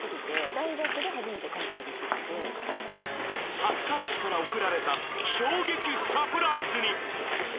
初彼氏から贈られた衝撃サプライズに